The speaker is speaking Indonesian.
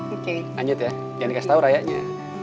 oke lanjut ya jangan kasih tahu raya nya